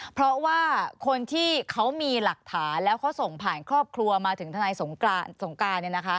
เพราะว่าคนที่เขามีหลักฐานแล้วเขาส่งผ่านครอบครัวมาถึงทนายสงการ